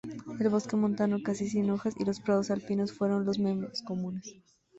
El bosque montano casi sin hojas y los prados alpinos fueron los menos comunes.